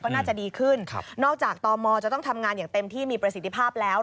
ก็น่าจะดีขึ้นนอกจากตมจะต้องทำงานอย่างเต็มที่มีประสิทธิภาพแล้ว